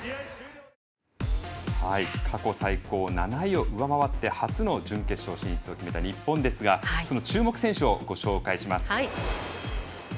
過去最高７位を上回って初の準決勝進出を決めた日本ですが注目選手をご紹介します。